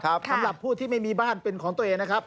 สำหรับผู้ที่ไม่มีบ้านเป็นของตัวเองนะครับ